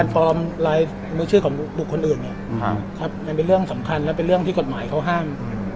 ฟอร์มลายมือชื่อของบุคคลอื่นมันเป็นเรื่องสำคัญและเป็นเรื่องที่กฎหมายเขาห้าม